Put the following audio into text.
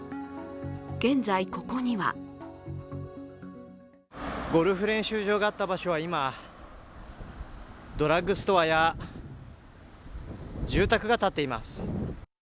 現在ここにはゴルフ練習場があった場所は今、ドラッグストアや住宅が建っています。